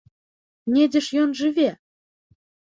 Недзе ж ён жыве!